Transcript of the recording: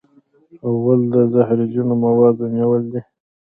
غول د زهرجنو موادو نیول دی.